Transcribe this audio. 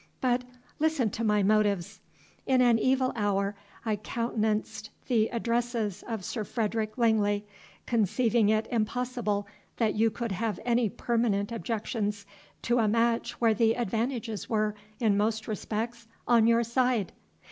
But listen to my motives. In an evil hour I countenanced the addresses of Sir Frederick Langley, conceiving it impossible that you could have any permanent objections to a match where the advantages were, in most respects, on your side.